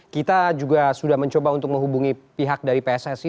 kita juga sudah mencoba untuk menghubungi pihak dari pssi